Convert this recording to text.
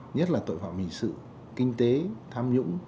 nhất là tội phạm hình sự kinh tế tham nhũng